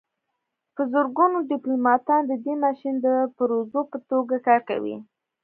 په زرګونو ډیپلوماتان د دې ماشین د پرزو په توګه کار کوي